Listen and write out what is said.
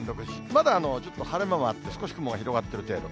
まだちょっと晴れ間もあって、少し雲が広がってる程度。